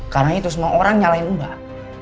karena itu semua orang nyalain ubah